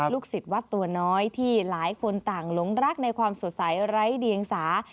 ศิษย์วัดตัวน้อยที่หลายคนต่างหลงรักในความสดใสไร้เดียงสา